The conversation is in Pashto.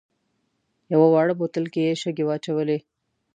یوه واړه بوتل کې یې شګې واچولې.